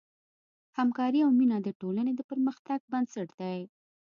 همکاري او مینه د ټولنې د پرمختګ بنسټ دی.